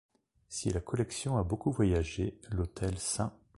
Si la collection a beaucoup voyagé, l’hôtel St.